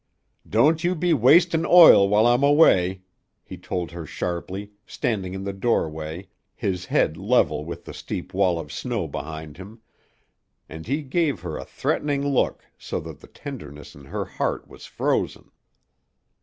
"Don't you be wastin' oil while I'm away," he told her sharply, standing in the doorway, his head level with the steep wall of snow behind him, and he gave her a threatening look so that the tenderness in her heart was frozen.